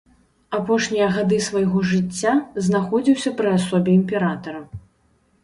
Апошнія гады свайго жыцця знаходзіўся пры асобе імператара.